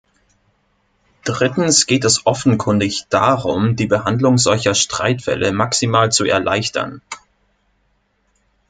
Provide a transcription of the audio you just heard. Drittens geht es offenkundig darum, die Behandlung solcher Streitfälle maximal zu erleichtern.